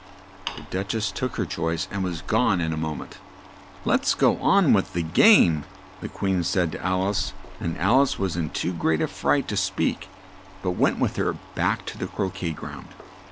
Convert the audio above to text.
The Duch ess took her choice and was gone in a mo ment. "Let's go on with the game," the Queen said to Al ice; and Al ice was in too great a fright to speak, but went with her, back to the cro quet ground.